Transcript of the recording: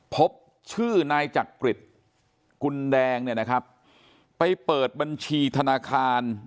พบชื่อนายจักริตกุลแดงเนี่ยนะครับไปเปิดบัญชีธนาคาร